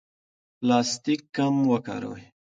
پلاستیک کم وکاروئ.